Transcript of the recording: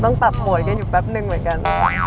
ต้องปรับหวยกันอยู่แป๊บนึงเหมือนกัน